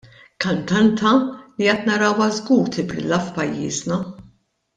Kantanta li għad narawha żgur tibrilla f'pajjiżna.